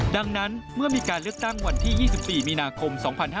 ดังนั้นเมื่อมีการเลือกตั้งวันที่๒๔มีนาคม๒๕๕๙